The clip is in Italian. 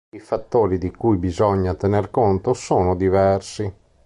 I fattori di cui bisogna tener conto sono diversi.